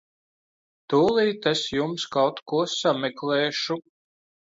Tūlīt es jums kaut ko sameklēšu.